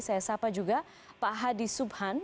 saya sapa juga pak hadi subhan